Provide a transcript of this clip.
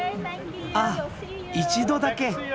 あっ一度だけ。